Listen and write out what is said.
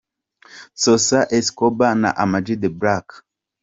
Sosa Escoba na Ama G The Black.